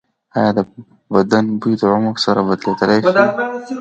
ایا د بدن بوی د عمر سره بدلیدلی شي؟